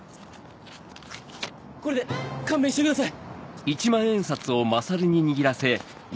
これで勘弁してください！